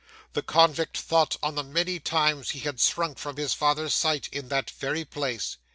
The convict thought on the many times he had shrunk from his father's sight in that very place.